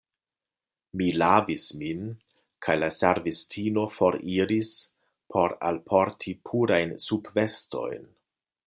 Mi lavis min kaj la servistino foriris por alporti purajn subvestojn.